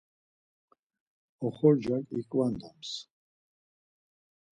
Oxorcak iǩvandams.